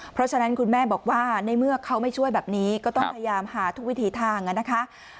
เพราะฉะนั้นคุณแม่บอกว่าในเมื่อเขาไม่ช่วยแบบนี้ก็ต้องพยายามหาทุกวิถีทางนะคะ